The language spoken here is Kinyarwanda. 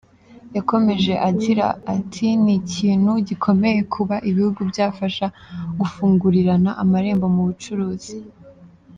Yakomeje agira ati “Ni ikintu gikomeye kuba ibihugu byabasha gufungurirana amarembo mu bucuruzi.